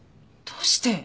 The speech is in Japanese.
どうして？